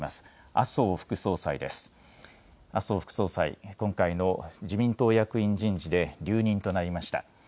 麻生副総裁、今回の自民党役員人事で留任となりました。